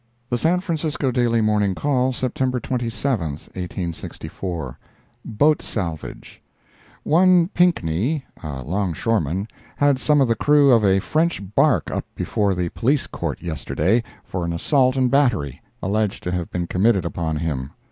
The San Francisco Daily Morning Call, September 27, 1864 BOAT SALVAGE One Pinkney, a 'longshoreman, had some of the crew of a French bark up before the Police Court, yesterday, for an assault and battery, alleged to have been committed upon him.